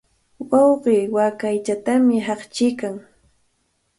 Wawqii waaka aychatami haqchiykan.